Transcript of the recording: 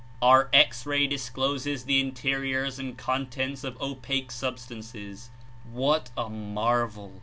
Our X ray discloses the interiors and contents of opaque substances. What a marvel!